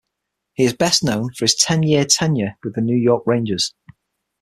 He is best known for his ten-year tenure with the New York Rangers.